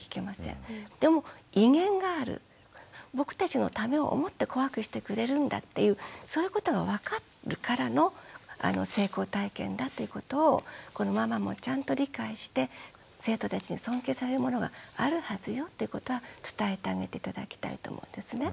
でも威厳がある僕たちのためを思って怖くしてくれるんだっていうそういうことが分かるからの成功体験だっていうことをこのママもちゃんと理解して生徒たちに尊敬されるものがあるはずよっていうことは伝えてあげて頂きたいと思うんですね。